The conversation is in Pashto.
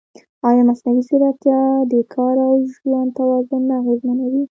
ایا مصنوعي ځیرکتیا د کار او ژوند توازن نه اغېزمنوي؟